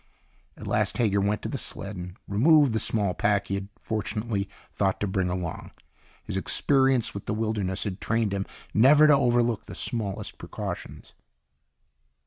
At last Hager went to the sled and removed the small pack he had fortunately thought to bring along. His experience with the wilderness had trained him never to overlook the smallest precautions.